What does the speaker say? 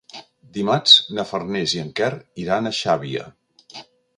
Dimarts na Farners i en Quer iran a Xàbia.